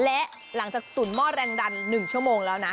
และหลังจากตุ๋นหม้อแรงดัน๑ชั่วโมงแล้วนะ